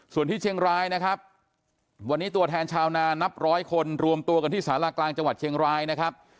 ส่วนที่เชียงรายนะครับวันนี้ตัวแทนชาวนานับร้อยคนรวมตัวกันที่สารากลางจังหวัดเชียงรายนะครับ